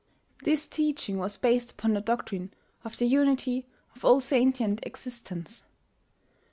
This teaching was based upon the doctrine of the unity of all sentient existence.